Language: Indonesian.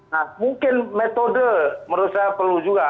nah mungkin metode menurut saya perlu juga